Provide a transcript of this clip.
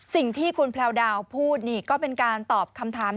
สิ่งที่คุณแพลวดาวพูดนี่ก็เป็นการตอบคำถาม